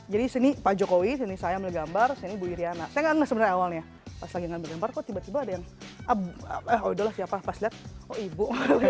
jadi sini pak jokowi sini saya ambil gambar sini ibu iryana saya gak nge sebenarnya awalnya pas lagi ambil gambar kok tiba tiba ada yang eh oi doh lah siapa pas liat oh ibu